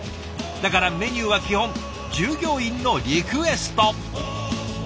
だからメニューは基本従業員のリクエスト。